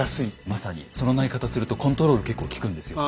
まさにその投げ方するとコントロール結構利くんですよ。